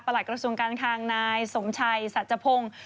หลักกระทรวงการคังนายสมชัยสัจพงศ์